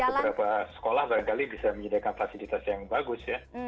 itu kita punya beberapa sekolah barangkali bisa menyediakan fasilitas yang bagus ya